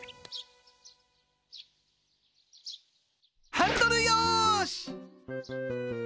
ハンドルよし。